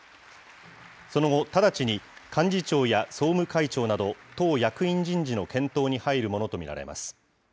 その後、直ちに幹事長や総務会長など、党役員人事の検討に入るものと見られます。